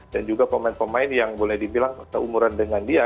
dan juga pemain pemain yang boleh dibilang seumuran dengan dia